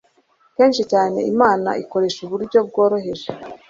Kenshi cyane Imana ikoresha uburyo bworoheje,